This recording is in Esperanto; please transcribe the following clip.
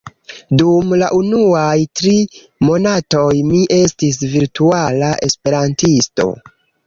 dum la unuaj tri monatoj mi estis virtuala esperantisto